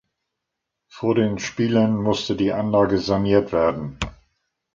Vor den Spielen musste die Anlage saniert werden.